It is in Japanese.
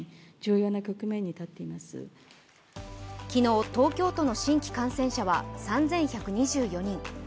昨日、東京都の新規感染者は３１２４人。